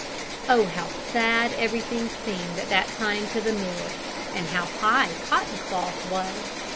Oh, how sad everything seemed at that time to the North, and how high cotton cloth was!